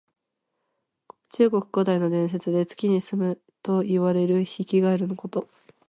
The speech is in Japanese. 中国古代の伝説で、月にすむといわれるヒキガエルのこと。